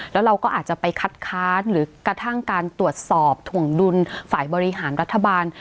แล้วเราก็อาจจะไปคัดค้านหรือกระทั่งการตรวจสอบถวงดุลฝ่ายบริหารรัฐบาล